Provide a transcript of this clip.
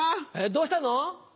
どうしたの？